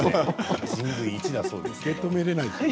人類一だそうです。